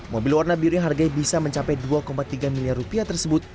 mobil warna biru yang harganya bisa mencapai dua tiga miliar rupiah tersebut